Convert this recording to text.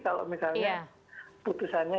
kalau misalnya putusannya